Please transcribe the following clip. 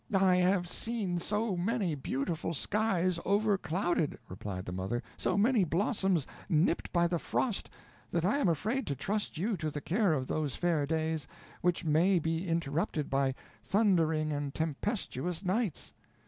"I have seen so many beautiful skies overclouded," replied the mother, "so many blossoms nipped by the frost, that I am afraid to trust you to the care of those fair days, which may be interrupted by thundering and tempestuous nights.